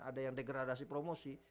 ada yang degradasi promosi